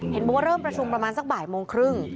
บอกว่าเริ่มประชุมประมาณสักบ่ายโมงครึ่ง